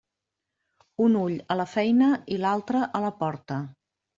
Un ull a la feina i l'altre a la porta.